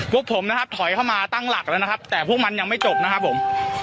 พวกผมนะครับถอยเข้ามาตั้งหลักแล้วนะครับแต่พวกมันยังไม่จบนะครับผม